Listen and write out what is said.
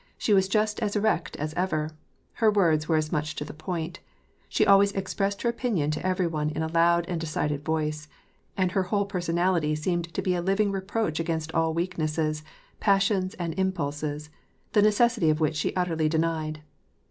She was just as erect as ever ; her words were as much to the point ; she always expressed her opinion to every one in a loud and de cided voice, and her whole personality seemed to be a living reproach against all weaknesses, passions, and impulses, the necessity of which she utterly denied.